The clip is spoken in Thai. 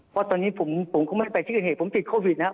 เพราะตอนนี้ผมก็ไม่ได้ไปที่เกิดเหตุผมติดโควิดนะครับ